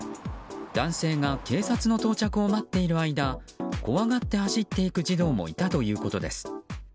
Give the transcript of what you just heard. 男性が警察の到着を待っている間怖がって走っていく児童もいたということです。